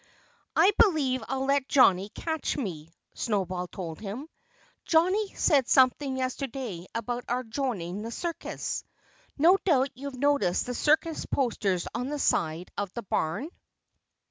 "I believe I'll let Johnnie catch me," Snowball told him. "Johnnie said something yesterday about our joining the circus. No doubt you've noticed the circus posters on the side of the barn?"